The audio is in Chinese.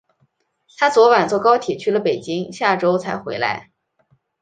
她昨晚坐高铁去了北京，下周才回来。